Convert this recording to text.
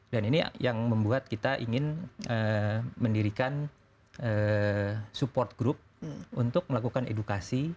dan ini yang membuat kita ingin mendirikan support group untuk melakukan edukasi